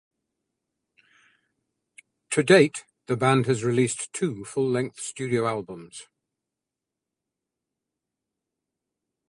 To date, the band has released two full-length studio albums.